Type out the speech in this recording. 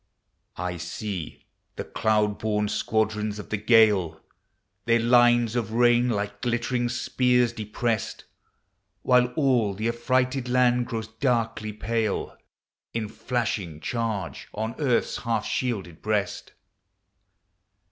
I see the cloud born squadrons <>r the gale. Their lines of rain like glittering spears deprest, While all Hie affrighted land grows da.kl.v pal< In flashing charge on earth's half shielded breast.